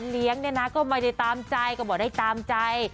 เลี้ยงเนี่ยนะก็ไม่ได้ตามใจก็บอกได้ตามใจ